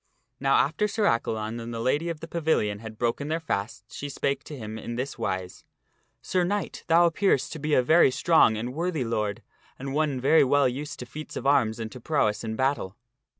Now after Sir Accalon and the Lady of the Pavilion had broken their fasts she spake to him in this wise, " Sir knight, thou appearest to be a very strong and worthy lord and one very well used to feats of arms and to prowess in battle."